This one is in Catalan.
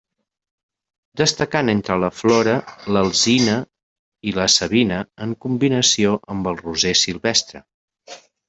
Destacant entre la flora l'alzina i la savina en combinació amb el roser silvestre.